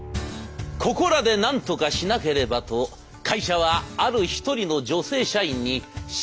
ここらでなんとかしなければと会社はある一人の女性社員に白羽の矢を立てます。